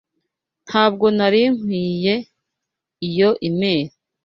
Ntabwo nari nkwiye ки iyo imeri.